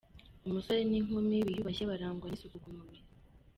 Umusore n’inkumi biyubashye barangwa n’isuku ku mubiri.